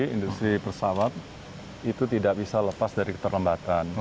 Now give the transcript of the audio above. industri pesawat itu tidak bisa lepas dari keterlambatan